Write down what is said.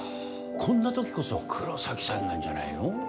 こんな時こそ黒崎さんなんじゃないの？